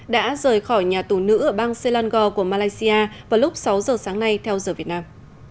đã rời khỏi nhà tù nữ ở bang selangor của malaysia vào lúc sáu giờ sáng nay theo giờ việt nam